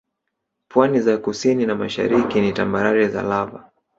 Pwani za kusini na mashariki ni tambarare za Lava